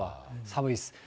寒いです。